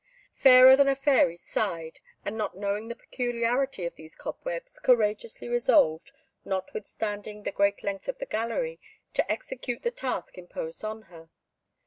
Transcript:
Fairer than a Fairy sighed, and not knowing the peculiarity of those cobwebs, courageously resolved, notwithstanding the great length of the gallery, to execute the task imposed on her.